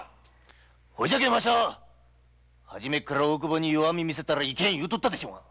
そうじゃけんわしゃ初めっから大久保に弱み見せたらいけん言うとったでしょうが！